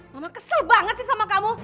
mama kesel banget sih sama kamu